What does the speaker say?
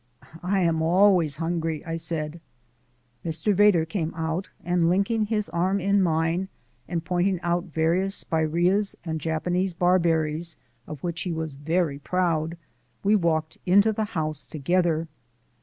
"I am always hungry," I said. Mr. Vedder came out and linking his arm in mine and pointing out various spireas and Japanese barberries, of which he was very proud, we walked into the house together.